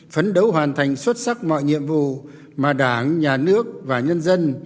phấn đấu hoàn thành xuất sắc mọi nhiệm vụ mà đảng nhà nước và nhân dân